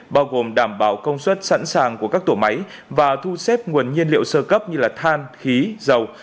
bao gồm đảm bảo công suất sẵn sàng của các tổ máy và thu xếp nguồn nhiên liệu sơ cấp như than khí dầu